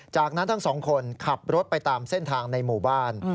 จากนั้นทั้งสองคนขับรถไปตามเส้นทางในหมู่บ้าน